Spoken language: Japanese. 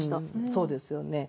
そうですよね。